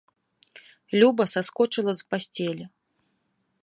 Люба саскочыла з пасцелі.